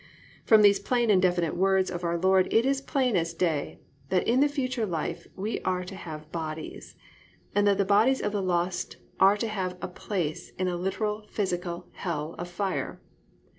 "+ From these plain and definite words of our Lord it is plain as day that in the future life we are to have bodies, and that the bodies of the lost are to have a place in a literal physical hell of fire.